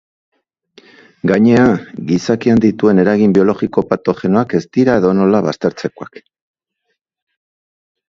Gainera gizakian dituen eragin biologiko patogenoak ez dira edonola baztertzekoak.